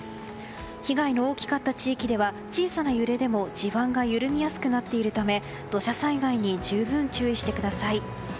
被害の大きかった地域では小さな揺れでも地盤が緩みやすくなっているため土砂災害に十分注意してください。